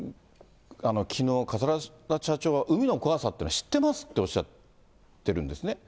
きのう、桂田社長は海の怖さというのは知ってますっておっしゃってるんですね。